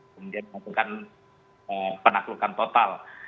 kemudian lakukan penaklukan total